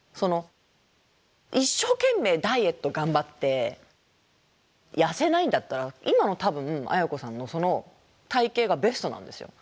一生懸命ダイエット頑張って痩せないんだったら今の多分あやこさんのその体型がベストなんですよ。